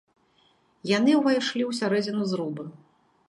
Яны ўвайшлі ў сярэдзіну зруба.